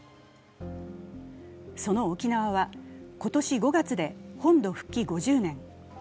その沖縄は今年５月で本土復帰５０年。